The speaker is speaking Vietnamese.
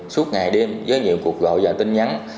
suốt ngày đêm với nhiều cuộc gọi và tin nhắn